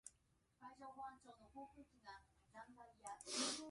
東京都府中市